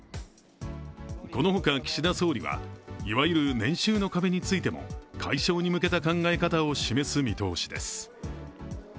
このほか、岸田総理はいわゆる年収の壁についても解消に向けた考え方を示す見通しです。